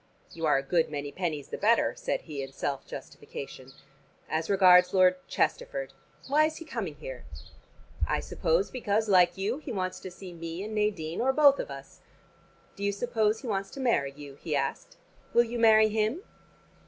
"You are a good many pennies the better," said he in self justification. "As regards Lord Chesterford: why is he coming here?" "I suppose because, like you, he wants to see me and Nadine or both of us." "Do you suppose he wants to marry you?" he asked. "Will you marry him?"